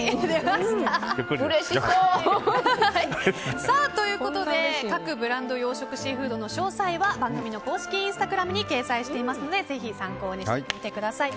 うれしそう！ということで、各ブランド養殖シーフードの詳細は番組の公式インスタグラムに掲載していますのでぜひ参考にしてみてください。